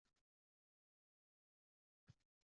Sen yasagan qog’oz qushlarning ichiga qarashgan